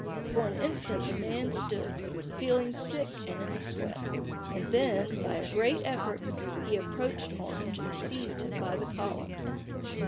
For an instant the man stood, feeling sick and in a sweat; and then, by a great effort, he approached Orange, and seized him by the collar.